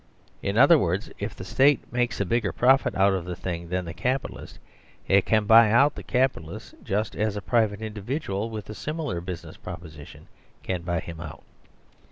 In other words, if the State makes a bigger profit out of the thing than the Capitalist, it can buy out the Capitalist just as a private individual with a similar business proposition can buy him out.